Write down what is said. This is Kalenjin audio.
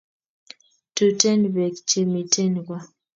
Tuten peeek che miten koo